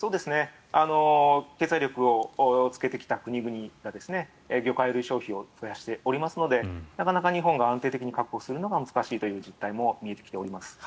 経済力をつけてきた国々が魚介類消費を増やしておりますのでなかなか日本が安定的に確保するのが難しいという実態も見えてきております。